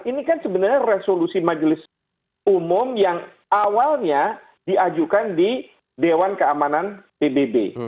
ini kan sebenarnya resolusi majelis umum yang awalnya diajukan di dewan keamanan pbb